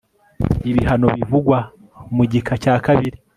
ibihano bivugwa mu gika cya kabiri